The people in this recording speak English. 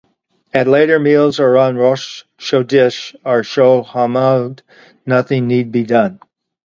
At later meals, or on Rosh Chodesh or Chol Hamoed, nothing need be done.